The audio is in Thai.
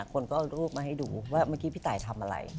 คนก็เอารูปมาให้ดูว่าเมื่อกี้พี่ตายทำอะไร